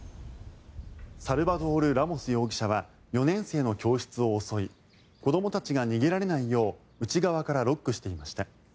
サルバドール・ラモス容疑者は４年生の教室を襲い子どもたちが逃げられないよう内側からロックしていました。